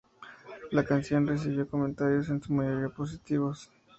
La canción recibió comentarios en su mayoría positivos.